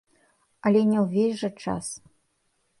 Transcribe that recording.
Але не ўвесь жа час.